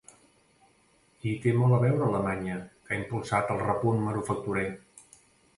I hi té molt a veure Alemanya, que ha impulsat el repunt manufacturer.